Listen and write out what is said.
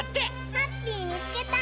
ハッピーみつけた！